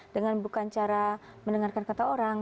dengan bukan cara mendengarkan kata orang